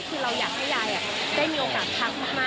คือเราอยากให้ยายได้มีโอกาสพักมาก